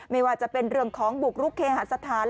ไม่ว่าจะเป็นเรื่องของบุกรุกเคหาสถาน